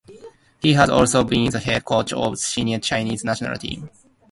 He has also been the head coach of the senior Chinese national team.